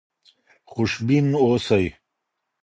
خوشبین اوسئ.